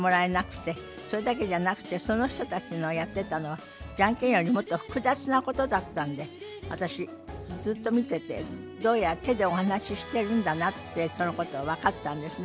それだけじゃなくてその人たちのやってたのはジャンケンよりもっと複雑なことだったんで私ずっと見ててどうやら手でお話ししてるんだなってそのことが分かったんですね。